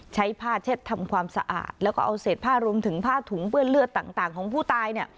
ใช้ผ้าเช็ดทำความสะอาดแล้วก็เอาเศษผ้ารวมถึงผ้าถุงเปื้อนเลือดต่างของผู้ตาย